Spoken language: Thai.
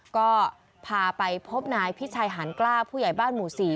ก็พาไปพบนายพิชัยหานกล้าผู้ใหญ่บ้านหมู่๔